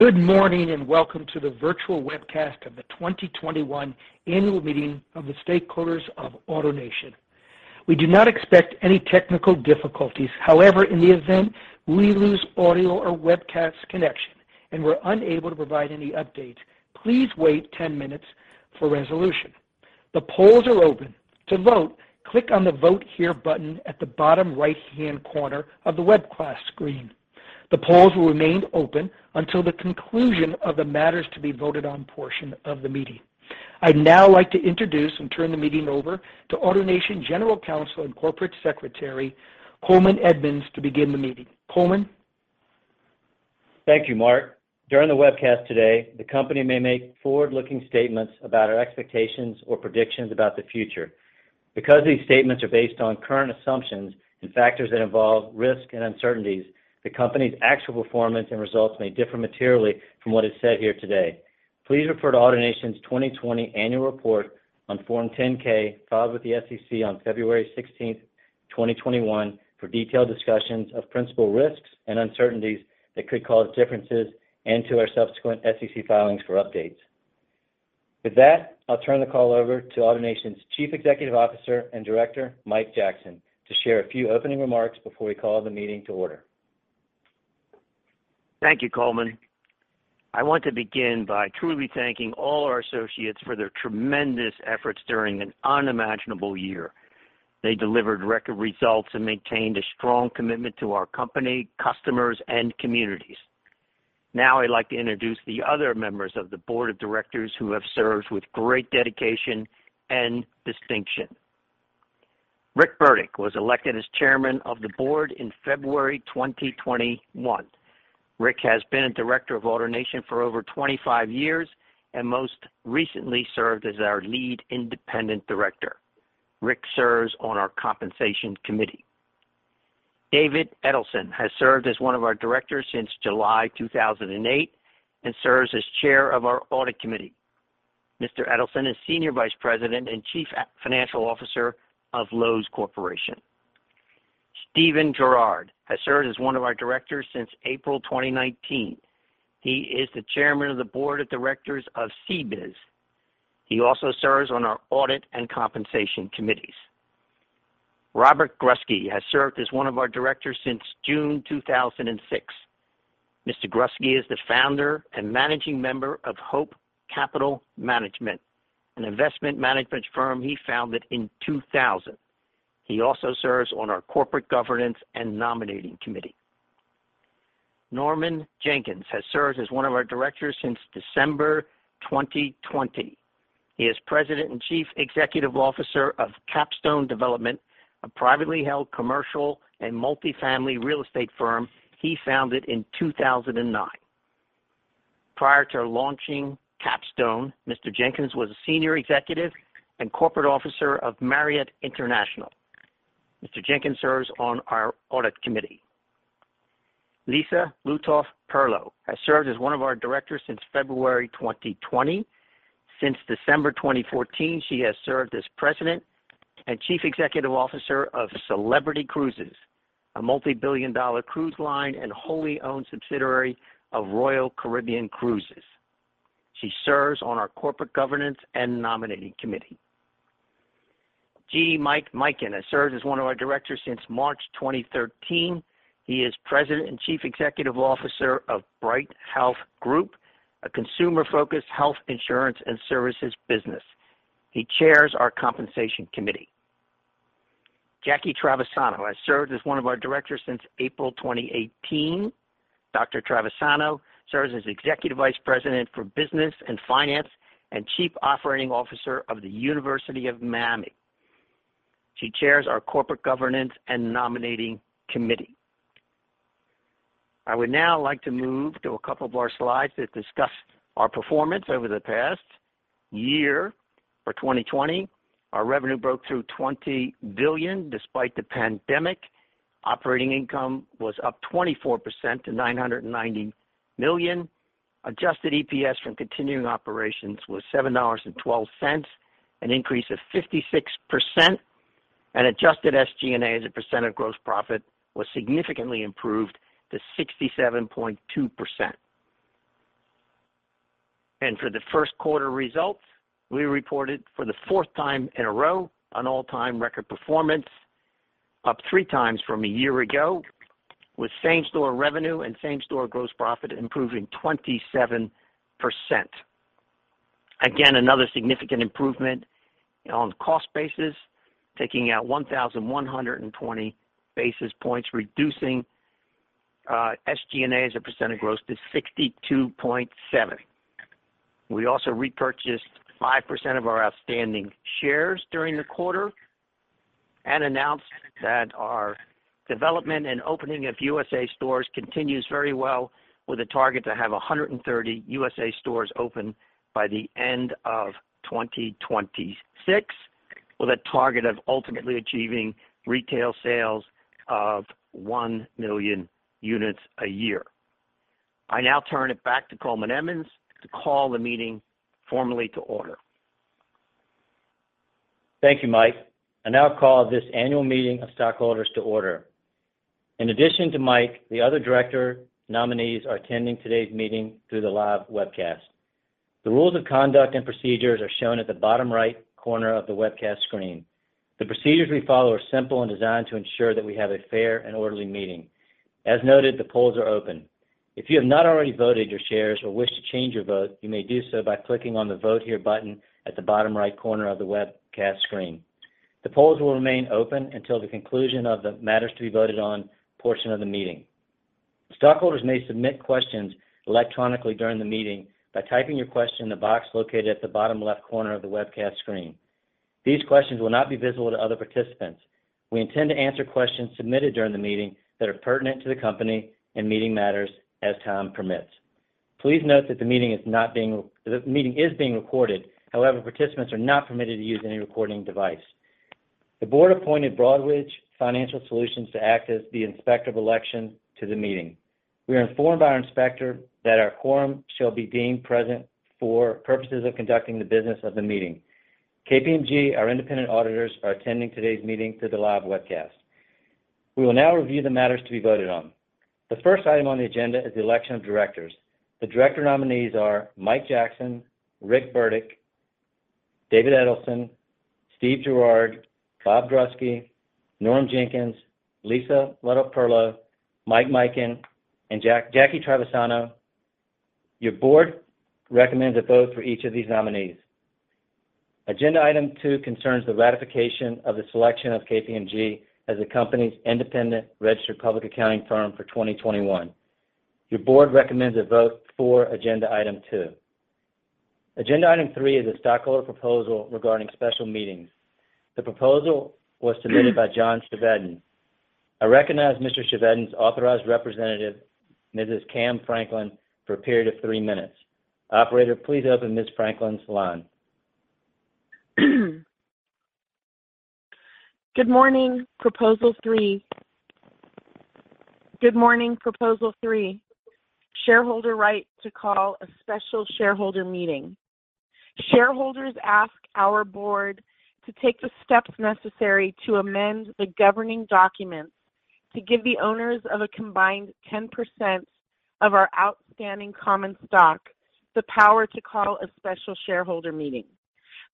Good morning, welcome to the virtual webcast of the 2021 annual meeting of the stakeholders of AutoNation. We do not expect any technical difficulties. However, in the event we lose audio or webcast connection and we're unable to provide any updates, please wait 10 minutes for resolution. The polls are open. To vote, click on the Vote Here button at the bottom right-hand corner of the webcast screen. The polls will remain open until the conclusion of the matters to be voted on portion of the meeting. I'd now like to introduce and turn the meeting over to AutoNation General Counsel and Corporate Secretary, Coleman Edmunds, to begin the meeting. Coleman? Thank you, Mark. During the webcast today, the company may make forward-looking statements about our expectations or predictions about the future. These statements are based on current assumptions and factors that involve risk and uncertainties, the company's actual performance and results may differ materially from what is said here today. Please refer to AutoNation's 2020 annual report on Form 10-K filed with the SEC on February 16, 2021, for detailed discussions of principal risks and uncertainties that could cause differences and to our subsequent SEC filings for updates. With that, I'll turn the call over to AutoNation's Chief Executive Officer and Director, Mike Jackson, to share a few opening remarks before we call the meeting to order. Thank you, Coleman. I want to begin by truly thanking all our associates for their tremendous efforts during an unimaginable year. They delivered record results and maintained a strong commitment to our company, customers, and communities. I'd like to introduce the other members of the Board of Directors who have served with great dedication and distinction. Rick Burdick was elected as Chairman of the Board in February 2021. Rick has been a Director of AutoNation for over 25 years and most recently served as our Lead Independent Director. Rick serves on our Compensation Committee. David Edelson has served as one of our Directors since July 2008 and serves as Chair of our Audit Committee. Mr. Edelson is Senior Vice President and Chief Financial Officer of Loews Corporation. Steven Gerard has served as one of our Directors since April 2019. He is the Chairman of the Board of Directors of CBIZ. He also serves on our Audit and Compensation Committees. Robert Grusky has served as one of our directors since June 2006. Mr. Grusky is the Founder and Managing Member of Hope Capital Management, an investment management firm he founded in 2000. He also serves on our Corporate Governance and Nominating Committee. Norman Jenkins has served as one of our directors since December 2020. He is President and Chief Executive Officer of Capstone Development, a privately held commercial and multifamily real estate firm he founded in 2009. Prior to launching Capstone, Mr. Jenkins was a Senior Executive and Corporate Officer of Marriott International. Mr. Jenkins serves on our Audit Committee. Lisa Lutoff-Perlo has served as one of our directors since February 2020. Since December 2014, she has served as President and Chief Executive Officer of Celebrity Cruises, a multibillion-dollar cruise line and wholly owned subsidiary of Royal Caribbean Group. She serves on our Corporate Governance and Nominating Committee. G. Mike Mikan has served as one of our directors since March 2013. He is President and Chief Executive Officer of Bright Health Group, a consumer-focused health insurance and services business. He chairs our Compensation Committee. Jackie Travisano has served as one of our directors since April 2018. Dr. Travisano serves as Executive Vice President for Business and Finance and Chief Operating Officer of the University of Miami. She chairs our Corporate Governance and Nominating Committee. I would now like to move to a couple more slides that discuss our performance over the past year for 2020. Our revenue broke through $20 billion despite the pandemic. Operating income was up 24% to $990 million. Adjusted EPS from continuing operations was $7.12, an increase of 56%, and adjusted SG&A as a percent of gross profit was significantly improved to 67.2%. For the first quarter results, we reported for the fourth time in a row an all-time record performance, up three times from a year ago, with same-store revenue and same-store gross profit improving 27%. Again, another significant improvement on cost basis, taking out 1,120 basis points, reducing SG&A as a percent of gross to 62.7%. We also repurchased 5% of our outstanding shares during the quarter and announced that our development and opening of USA stores continues very well, with a target to have 130 USA stores open by the end of 2026, with a target of ultimately achieving retail sales of one million units a year. I now turn it back to Coleman Edmunds to call the meeting formally to order. Thank you, Mike. I now call this annual meeting of stockholders to order. In addition to Mike, the other director nominees are attending today's meeting through the live webcast. The rules of conduct and procedures are shown at the bottom right corner of the webcast screen. The procedures we follow are simple and designed to ensure that we have a fair and orderly meeting. As noted, the polls are open. If you have not already voted your shares or wish to change your vote, you may do so by clicking on the Vote Here button at the bottom right corner of the webcast screen. The polls will remain open until the conclusion of the matters to be voted on portion of the meeting. Stockholders may submit questions electronically during the meeting by typing your question in the box located at the bottom left corner of the webcast screen. These questions will not be visible to other participants. We intend to answer questions submitted during the meeting that are pertinent to the company and meeting matters as time permits. Please note that the meeting is being recorded. However, participants are not permitted to use any recording device. The board appointed Broadridge Financial Solutions to act as the inspector of election to the meeting. We are informed by our inspector that our quorum shall be deemed present for purposes of conducting the business of the meeting. KPMG, our independent auditors, are attending today's meeting through the live webcast. We will now review the matters to be voted on. The first item on the agenda is the election of directors. The director nominees are Mike Jackson, Rick Burdick, David Edelson, Steven Gerard, Robert Grusky, Norman Jenkins, Lisa Lutoff-Perlo, Mike Mikan, and Jackie Travisano. Your board recommends a vote for each of these nominees. Agenda item two concerns the ratification of the selection of KPMG as the company's independent registered public accounting firm for 2021. Your board recommends a vote for agenda item two. Agenda item three is a stockholder proposal regarding special meetings. The proposal was submitted by John Chevedden. I recognize Mr. Chevedden's authorized representative, Mrs. Cam Franklin, for a period of three minutes. Operator, please open Ms. Franklin's line. Good morning, proposal three. Shareholder right to call a special shareholder meeting. Shareholders ask our board to take the steps necessary to amend the governing documents to give the owners of a combined 10% of our outstanding common stock the power to call a special shareholder meeting.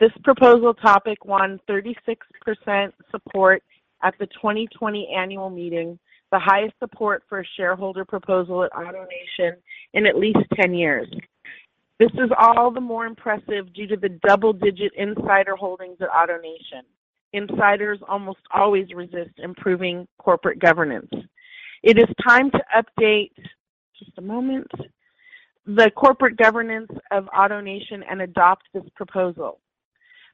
This proposal topic won 36% support at the 2020 annual meeting, the highest support for a shareholder proposal at AutoNation in at least 10 years. This is all the more impressive due to the double-digit insider holdings at AutoNation. Insiders almost always resist improving corporate governance. It is time to update, just a moment, the corporate governance of AutoNation and adopt this proposal.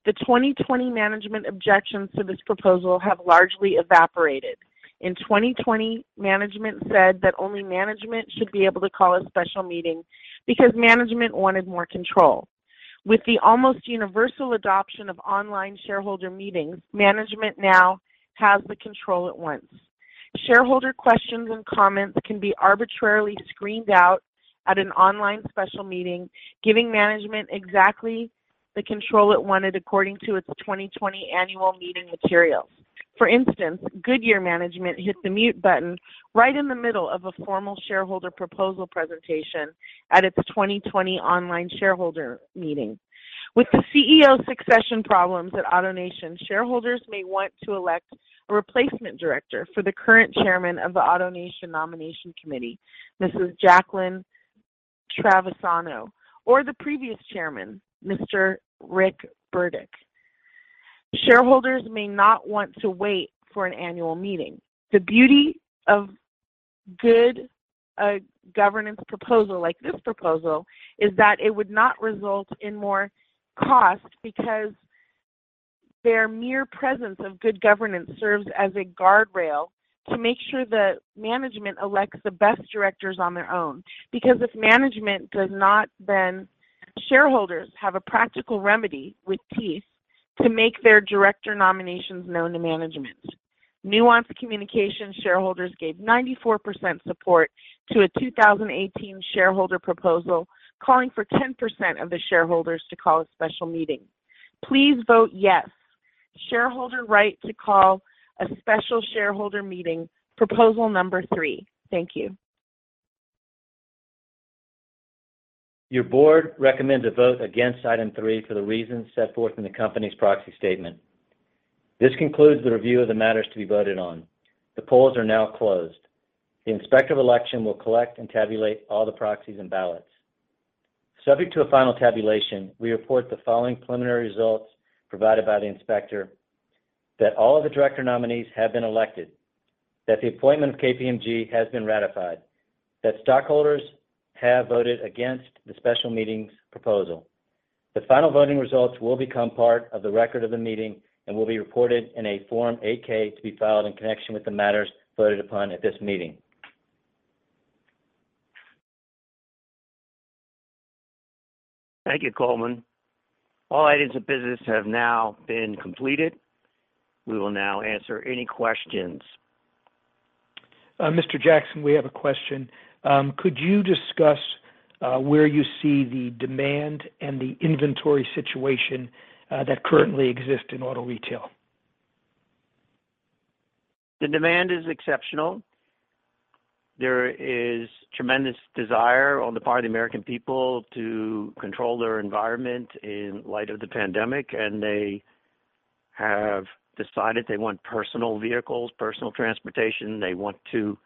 The 2020 management objections to this proposal have largely evaporated. In 2020, management said that only management should be able to call a special meeting because management wanted more control. With the almost universal adoption of online shareholder meetings, management now has the control it wants. Shareholder questions and comments can be arbitrarily screened out at an online special meeting, giving management exactly the control it wanted according to its 2020 annual meeting materials. For instance, Goodyear management hit the mute button right in the middle of a formal shareholder proposal presentation at its 2020 online shareholder meeting. With the CEO succession problems at AutoNation, shareholders may want to elect a replacement director for the current chairman of the AutoNation nomination committee, Mrs. Jacqueline Travisano, or the previous chairman, Mr. Rick Burdick. Shareholders may not want to wait for an annual meeting. The beauty of a good governance proposal like this proposal is that it would not result in more cost because the mere presence of good governance serves as a guardrail to make sure the management elects the best directors on their own. If management does not, then shareholders have a practical remedy with peace to make their director nominations known to management. Nuance Communications shareholders gave 94% support to a 2018 shareholder proposal calling for 10% of the shareholders to call a special meeting. Please vote yes. Shareholder right to call a special shareholder meeting, proposal number three. Thank you. Your board recommends a vote against item three for the reasons set forth in the company's proxy statement. This concludes the review of the matters to be voted on. The polls are now closed. The inspector of election will collect and tabulate all the proxies and ballots. Subject to a final tabulation, we report the following preliminary results provided by the inspector, that all of the director nominees have been elected, that the appointment of KPMG has been ratified, that stockholders have voted against the special meetings proposal. The final voting results will become part of the record of the meeting and will be reported in a Form 8-K to be filed in connection with the matters voted upon at this meeting. Thank you, Coleman. All items of business have now been completed. We will now answer any questions. Mr. Jackson, we have a question. Could you discuss where you see the demand and the inventory situation that currently exists in auto retail? The demand is exceptional. There is tremendous desire on the part of the American people to control their environment in light of the pandemic. They have decided they want personal vehicles, personal transportation. They want to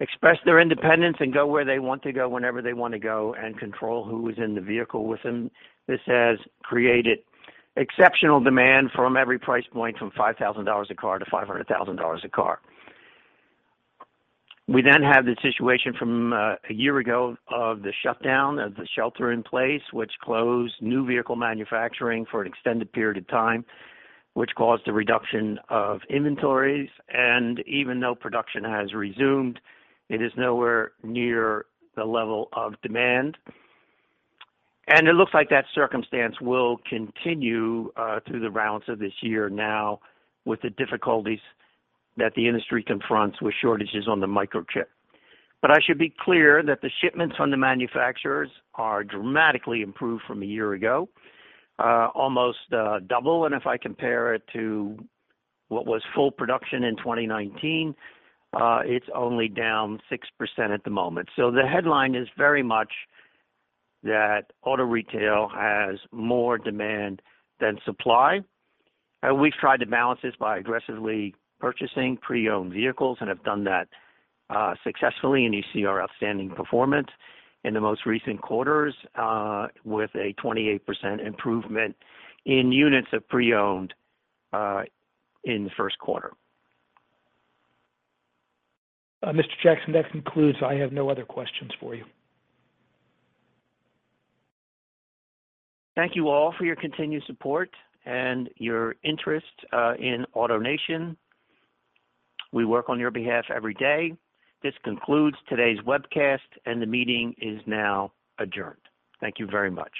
express their independence and go where they want to go whenever they want to go, and control who is in the vehicle with them. This has created exceptional demand from every price point, from $5,000 a car to $500,000 a car. We have the situation from a year ago of the shutdown, of the shelter in place, which closed new vehicle manufacturing for an extended period of time, which caused a reduction of inventories. Even though production has resumed, it is nowhere near the level of demand. It looks like that circumstance will continue through the balance of this year now with the difficulties that the industry confronts with shortages on the microchip. I should be clear that the shipments from the manufacturers are dramatically improved from a year ago, almost double. If I compare it to what was full production in 2019, it's only down 6% at the moment. The headline is very much that auto retail has more demand than supply. We've tried to balance this by aggressively purchasing pre-owned vehicles and have done that successfully, and you see our outstanding performance in the most recent quarters, with a 28% improvement in units of pre-owned in the first quarter. Mr. Jackson, that concludes. I have no other questions for you. Thank you all for your continued support and your interest in AutoNation. We work on your behalf every day. This concludes today's webcast, and the meeting is now adjourned. Thank you very much.